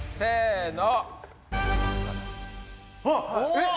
えっ？